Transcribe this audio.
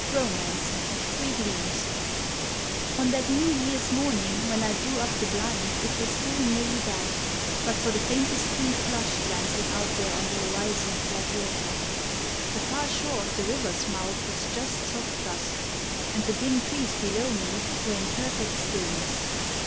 ROMANCE—THREE GLEAMS On that New Year's morning when I drew up the blind it was still nearly dark, but for the faintest pink flush glancing out there on the horizon of black water. The far shore of the river's mouth was just soft dusk; and the dim trees below me were in perfect stillness.